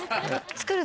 作る？